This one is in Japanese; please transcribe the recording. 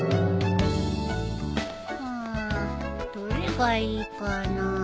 うんどれがいいかな。